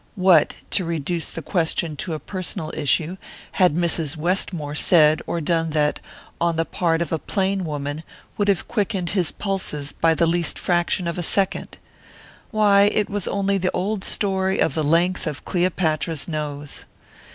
What, to reduce the question to a personal issue, had Mrs. Westmore said or done that, on the part of a plain woman, would have quickened his pulses by the least fraction of a second? Why, it was only the old story of the length of Cleopatra's nose!